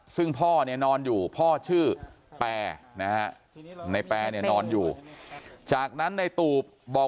ซึ่งพ่อนี่นอนอยู่พ่อชื่อแปรในแปรนอนอยู่จากนั้นในตูปบอก